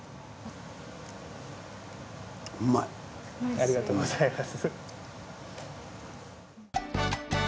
ありがとうございます。